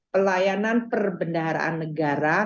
pelayanan perbenaraan negara